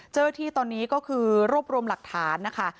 เจ้าหน้าที่ตอนนี้ก็คือรวบรวมหลักฐานนะคะ